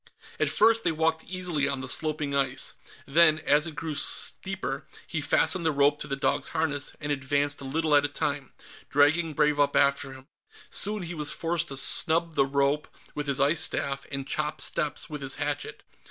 At first, they walked easily on the sloping ice. Then, as it grew steeper, he fastened the rope to the dog's harness and advanced a little at a time, dragging Brave up after him. Soon he was forced to snub the rope with his ice staff and chop steps with his hatchet.